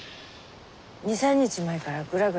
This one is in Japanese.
２３日前からグラグラしてたの。